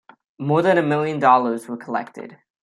More than a million dollars were collected.